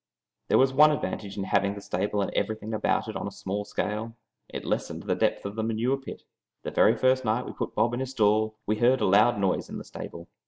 There was one advantage in having the stable and everything about it on a small scale it lessened the depth of the manure pit. The very first night we put Bob in his stall we heard a loud noise in the stable.